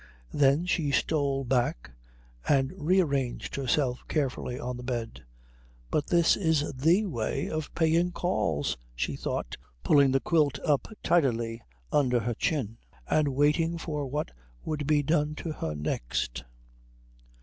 Then she stole back and rearranged herself carefully on the bed. "But this is the way of paying calls," she thought, pulling the quilt up tidily under her chin and waiting for what would be done to her next.